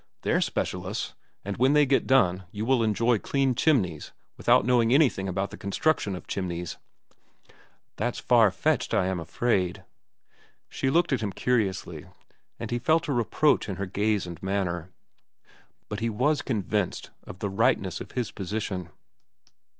They're specialists, and when they get done, you will enjoy clean chimneys without knowing anything about the construction of chimneys." "That's far fetched, I am afraid." She looked at him curiously, and he felt a reproach in her gaze and manner. But he was convinced of the rightness of his position.